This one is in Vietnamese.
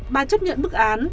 bà chấp nhận bức án